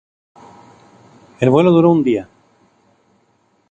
El vuelo duró un día.